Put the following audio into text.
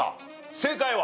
正解は？